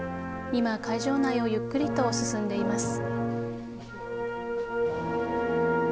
今、会場内をゆっくりと進んでいます。